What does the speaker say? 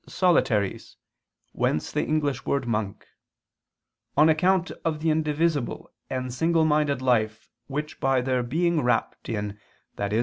solitaries; whence the English word 'monk'], "on account of the indivisible and single minded life which by their being wrapped in," i.e.